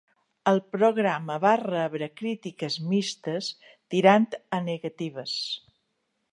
El programa va rebre crítiques mixtes, tirant a negatives.